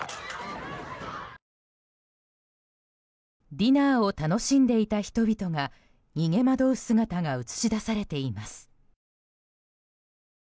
ディナーを楽しんでいた人々が逃げ惑う姿が映し出されています。